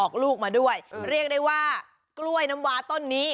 ลูกมาด้วยเรียกได้ว่ากล้วยน้ำวาต้นนี้